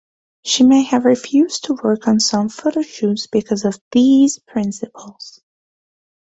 She may have refused to work on some photo shoots because of these principles.